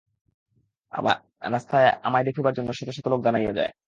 রাস্তায় আমায় দেখিবার জন্য শত শত লোক দাঁড়াইয়া যায়।